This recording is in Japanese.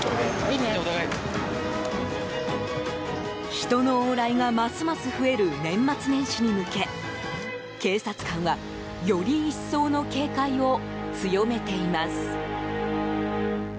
人の往来がますます増える年末年始に向け警察官はより一層の警戒を強めています。